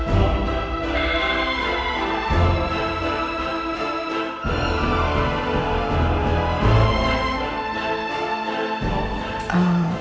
kalau nino ketemu sama rena